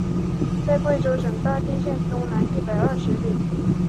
在贵州省大定县东南一百二十里。